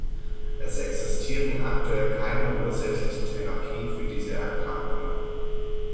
Es existieren aktuell keine ursächlichen Therapien für diese Erkrankungen.